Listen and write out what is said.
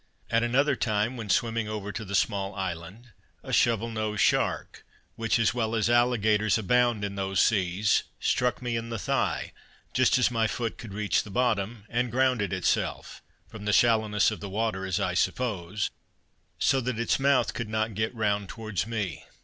At another time, when swimming over to the small island, a shovel nosed shark, which, as well as alligators, abound in those seas, struck me in the thigh, just as my foot could reach the bottom, and grounded itself, from the shallowness of the water, as I suppose, so that its mouth could not get round towards me.